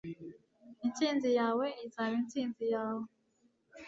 intsinzi yawe izaba intsinzi yawe